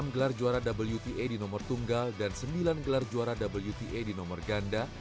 delapan gelar juara wta di nomor tunggal dan sembilan gelar juara wta di nomor ganda